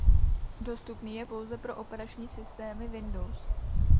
Dostupný je pouze pro operační systémy Windows.